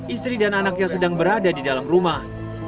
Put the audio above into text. istri dan anaknya sedang berada di dalam rumah